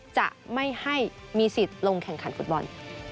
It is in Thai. จะไม่ให้มีสิทธิ์ลงแข่งขันฟุตบอล